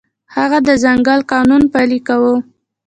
هغه د ځنګل قانون پلی کاوه.